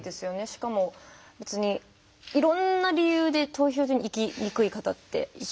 しかも別にいろんな理由で投票所に行きにくい方っていっぱいいて。